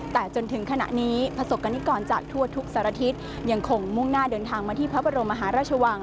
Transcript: แต่จนถึงขณะนี้ประสบกรณิกรจากทั่วทุกสารทิศยังคงมุ่งหน้าเดินทางมาที่พระบรมมหาราชวัง